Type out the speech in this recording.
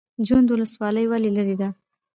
جوند ولسوالۍ ولې لیرې ده؟